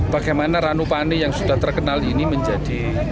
bagaimana ranupane yang sudah terkenal ini menjadi